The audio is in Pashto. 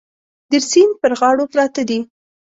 د سیند پر غاړو پراته دي.